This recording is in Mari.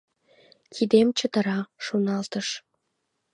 «Кидем чытыра», — шоналтыш.